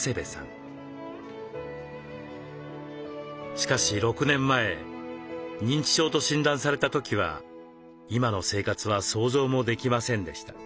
しかし６年前認知症と診断された時は今の生活は想像もできませんでした。